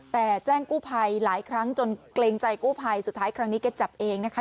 แต่แจ้งกู้ภัยหลายครั้งจนเกรงใจกู้ภัยสุดท้ายครั้งนี้แกจับเองนะคะ